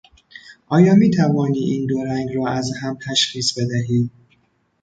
آیا میتوانی این دو رنگ را از هم تشخیص بدهی؟